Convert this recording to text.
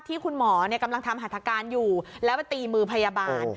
ที่คุณหมอกำลังทำหัตถการอยู่แล้วไปตีมือพยาบาล